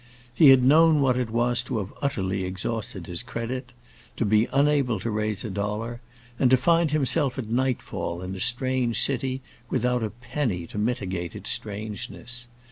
He had known what it was to have utterly exhausted his credit, to be unable to raise a dollar, and to find himself at nightfall in a strange city, without a penny to mitigate its strangeness.